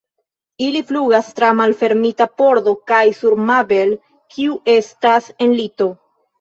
Ili flugas tra malfermita pordo kaj sur Mabel, kiu estas en lito.